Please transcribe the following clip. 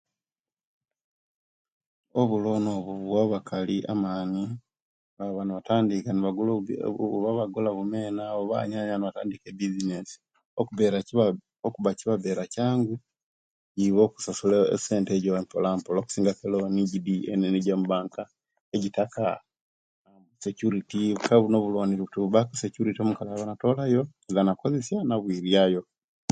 Obuloni obwo buwa abakali amani ne baba nebatandika ne bagula eee oba bagula bumena oba nyanya nebatandika ebusines kubera okubba kibabbera kyangu ibo okusasula esente ejo empola mpola okusinga ku eloni jidi enene ejomubanka ejitaka esecuriti aye buno obuloni tebubbaku securiti omukali ayaba natolayo naiza nakozesia nairiayo